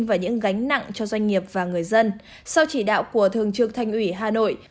và những gánh nặng cho doanh nghiệp và người dân sau chỉ đạo của thường trực thành ủy hà nội